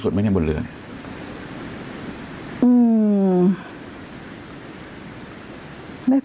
คุณแม่ก็ไม่อยากคิดไปเองหรอก